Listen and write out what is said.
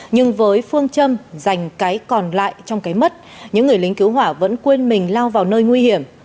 nhưng với phương châm dành cái còn lại trong cái mất những người lính cứu hỏa vẫn quên mình lao vào nơi nguy hiểm